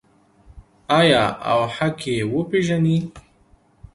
آیا او حق یې وپیژني؟